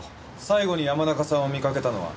最後に山中さんを見かけたのは？